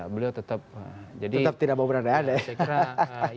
beliau tetap tidak mau berandai andai